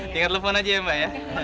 tingkat telepon aja ya mbak